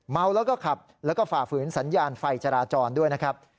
เมาแล้วก็ขับแล้วก็ฝ่าฝืนสัญญาณไฟจราจรด้วยนะครับ